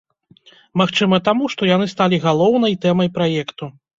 Магчыма таму, што яны сталі галоўнай тэмай праекту.